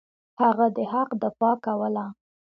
هغه د حق دفاع کوله.